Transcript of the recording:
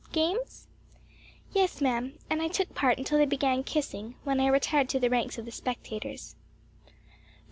"Games?" "Yes, ma'am; and I took part until they began kissing; when I retired to the ranks of the spectators."